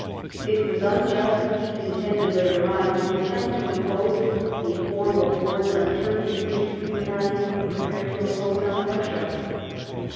It was unjust, he contended, later on, to attempt to impose* a form of words on Turkey which we were not equally prepared to impose on Bussia.